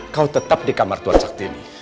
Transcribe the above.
kau tetap di kamar tuan saktini